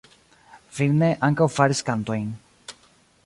Finne ankaŭ faris kantojn.